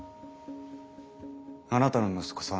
あなたの息子さん